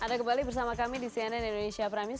ada kembali bersama kami di cnn indonesia pramies